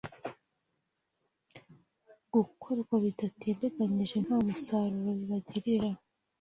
gukorwa bidatindiganije ntamusaruro bibagirira